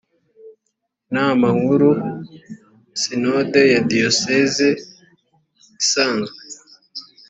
inama nkuru sinode ya diyoseze isanzwe